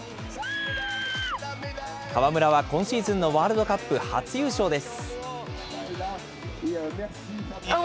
川村は今シーズンのワールドカップ初優勝です。